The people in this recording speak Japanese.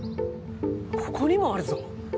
ここにもあるぞ